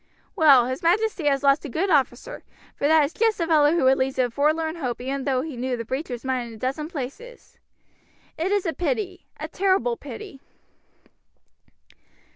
Well, his majesty has lost a good officer, for that is just the sort of fellow who would lead a forlorn hope though he knew the breach was mined in a dozen places. It is a pity, a terrible pity!"